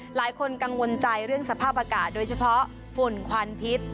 หลายคนกังวลใจเรื่องสภาพอากาศโดยเฉพาะฝุ่นควันพิษ